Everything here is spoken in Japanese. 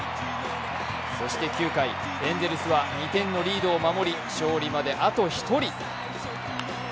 そして９回、エンゼルスは２点のリードを守り勝利まであと１人。